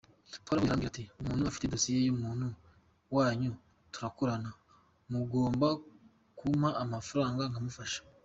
Twarahuye arambwira ati ‘umuntu ufite dosiye y’umuntu wanyu turakorana, mugomba kumpa amafaranga nkamufasha’.